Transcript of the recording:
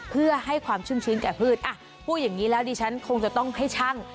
เพื่อให้ความชุ่มชื้นแก่พืชอ่ะพูดอย่างนี้แล้วดิฉันคงจะต้องให้ช่าง